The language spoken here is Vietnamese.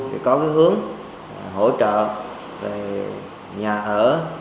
để có hướng hỗ trợ về nhà ở